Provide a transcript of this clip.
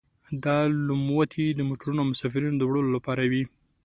دا لوموتي د موټرونو او مسافرینو د وړلو لپاره وو.